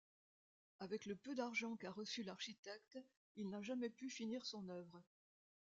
Avec le peu d'argent qu'a reçu l'architecte, il n'a jamais pu finir son œuvre.